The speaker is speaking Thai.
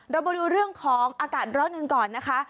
เรามาดูเรื่องของอากาศร้อนกันก่อนนะคะ